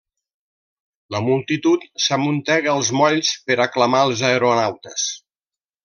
La multitud s'amuntega als molls per aclamar els aeronautes.